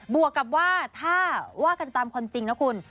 วกกับว่าถ้าว่ากันตามความจริงนะคุณ